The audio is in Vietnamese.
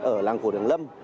ở làng cổ đường lâm